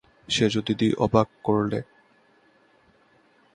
সেজদিদি অবাক করলে!